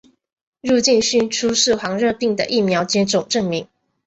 入境须出示黄热病的疫苗接种证明。